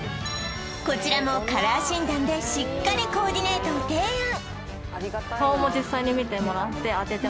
こちらもカラー診断でしっかりコーディネートを提案